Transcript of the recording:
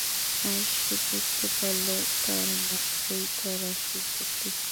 আর সে বুঝতে পারল, তার মাথাই তার আসল শক্তি।